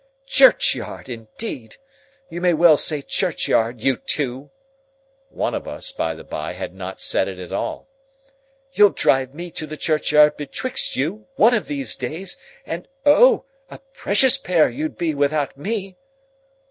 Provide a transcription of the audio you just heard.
"Churchyard, indeed! You may well say churchyard, you two." One of us, by the by, had not said it at all. "You'll drive me to the churchyard betwixt you, one of these days, and O, a pr r recious pair you'd be without me!"